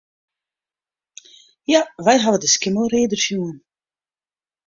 Ja, wy hawwe de Skimmelrider sjoen.